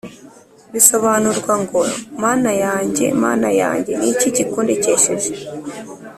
bisobanurwa ngo “mana yanjye, mana yanjye, ni iki kikundekesheje?”